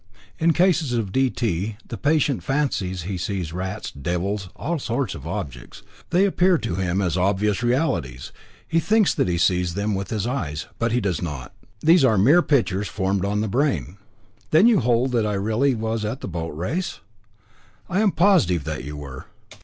In cases of D. T. the patient fancies he sees rats, devils, all sorts of objects. They appear to him as obvious realities, he thinks that he sees them with his eyes. But he does not. These are mere pictures formed on the brain." "Then you hold that I really was at the boat race?" "I am positive that you were."